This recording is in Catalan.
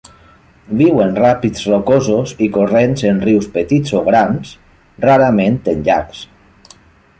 Viu en ràpids rocosos i corrents en rius petits o grans, rarament en llacs.